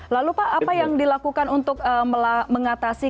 lalu apa yang dilakukan untuk melakukan perbuatan dassault